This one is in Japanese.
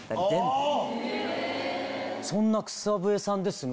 そんな草笛さんですが。